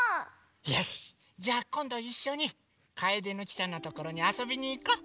よしじゃこんどいっしょにカエデの木さんのところにあそびにいこう！